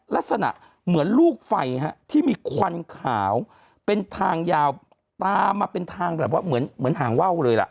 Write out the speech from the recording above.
ลักษณะเหมือนลูกไฟที่มีควันขาวเป็นทางยาวตามมาเป็นทางแบบว่าเหมือนห่างว่าวเลยล่ะ